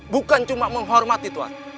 bukan cuma menghormati tuan